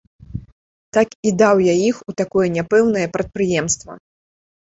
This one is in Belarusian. Так і даў я іх у такое няпэўнае прадпрыемства.